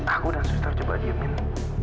aku dan suster coba diemin